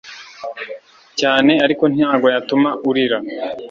cyane ariko ntago yatuma urira